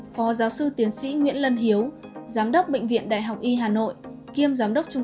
phó giáo sư tiến sĩ nguyễn lân hiếu giám đốc bệnh viện đại học y hà nội kiêm giám đốc trung